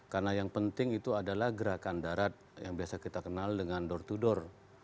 karena yang penting itu adalah gerakan darat yang biasa kita kenal dengan door to door